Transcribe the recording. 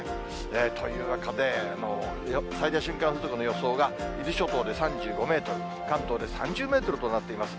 という中で、最大瞬間風速の予想が、伊豆諸島で３５メートル、関東で３０メートルとなっています。